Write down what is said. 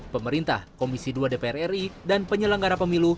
pemerintah komisi dua dpr ri dan penyelenggara pemilu